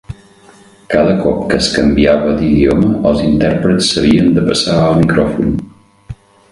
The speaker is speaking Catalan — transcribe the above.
Cada cop que es canviava d'idioma, els intèrprets s'havien de passar el micròfon.